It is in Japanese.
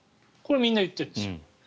これ、みんな言ってるんですよ。